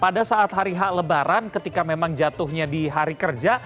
pada saat hari hak lebaran ketika memang jatuhnya di hari kerja